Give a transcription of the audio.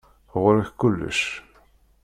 Ɣur-k kullec.